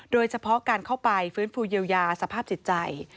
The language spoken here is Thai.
โดยเฉพาะการเข้าไปฟื้นฟูเยียวยาสภาพจิตใจ